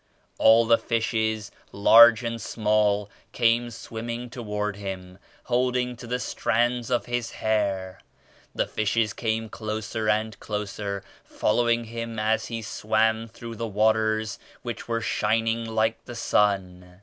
All the fishes, large and small came swimming toward Him, holding* to the strands of His hair. The fishes came closer and closer, following Him as He swam through the waters which were shining like the sun.